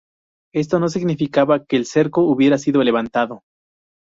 Esto no significaba que el cerco hubiera sido levantado.